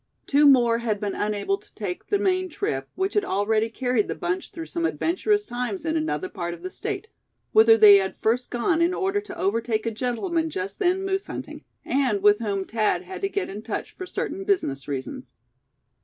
Two more had been unable to take the Maine trip, which had already carried the bunch through some adventurous times in another part of the State, whither they had first gone in order to overtake a gentleman just then moose hunting, and with whom Thad had to get in touch for certain business reasons.